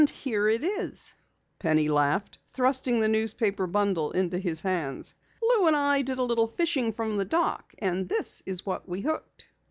"Here it is," Penny laughed, thrusting the newspaper bundle into his hands. "Lou and I did a little fishing from the dock and this is what we hooked."